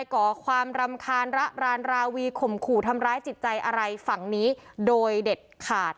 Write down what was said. ก่อความรำคาญระรานราวีข่มขู่ทำร้ายจิตใจอะไรฝั่งนี้โดยเด็ดขาด